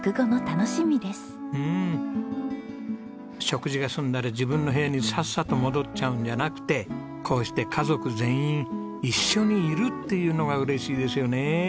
食事が済んだら自分の部屋にさっさと戻っちゃうんじゃなくてこうして家族全員一緒にいるっていうのが嬉しいですよね。